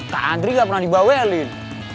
kak andri gak pernah dibawa ya elin